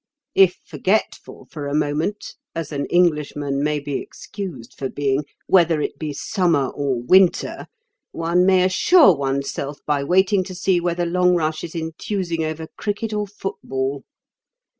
If forgetful for a moment—as an Englishman may be excused for being—whether it be summer or winter, one may assure oneself by waiting to see whether Longrush is enthusing over cricket or football.